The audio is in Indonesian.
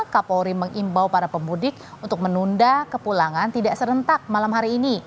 kapolri mengimbau para pemudik untuk menunda kepulangan tidak serentak malam hari ini